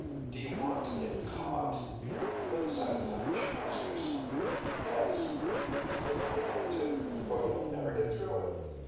"Do you want to get caught?" For the second time she answered herself, "Yes. And remember that too. Or you'll never get through it."